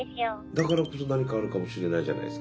だからこそ何かあるかもしれないじゃないですか。